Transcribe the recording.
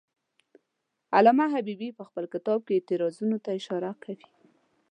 علامه حبیبي په خپل کتاب کې اعتراضونو ته اشاره کوي.